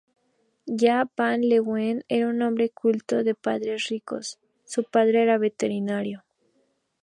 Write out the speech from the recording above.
Jaap van Leeuwen era un hombre culto, de padres ricos —su padre era veterinario.